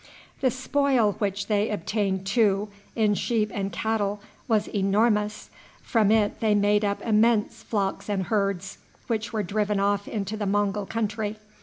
The spoil which they obtained, too, in sheep and cattle, was enormous. From it they made up immense flocks and herds, which were driven off into the Mongul country.